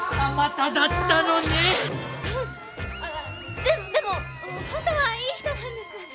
ああでも本当はいい人なんです。